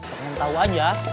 pengen tau aja